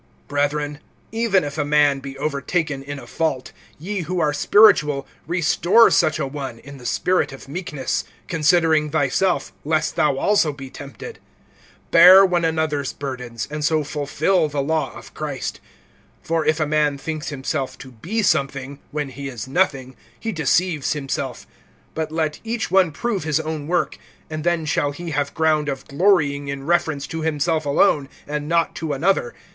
BRETHREN, even if a man be overtaken in a fault, ye who are spiritual restore such a one in the spirit of meekness; considering thyself, lest thou also be tempted. (2)Bear one another's burdens, and so fulfill[6:2] the law of Christ. (3)For if a man thinks himself to be something, when he is nothing, he deceives himself. (4)But let each one prove his own work, and then shall he have ground of glorying in reference to himself alone, and not to another.